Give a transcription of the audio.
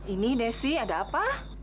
ini desy ada apa